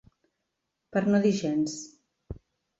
Per no dir gens.